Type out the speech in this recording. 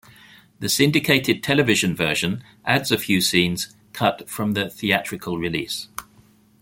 The syndicated television version adds a few scenes cut from the theatrical release.